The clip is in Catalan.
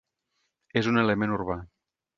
És un element urbà.